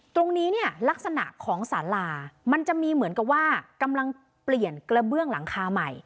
ตรงนี้เนี่ยลักษณะของสารามันจะมีเหมือนกับว่ากำลังเปลี่ยนกระเบื้องหลังคาใหม่